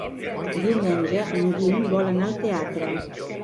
Diumenge en Guim vol anar al teatre.